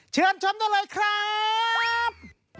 เชิญชมได้เลยครับ